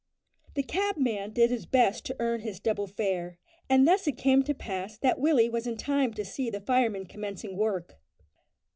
The cabman did his best to earn his double fare, and thus it came to pass that Willie was in time to see the firemen commencing work.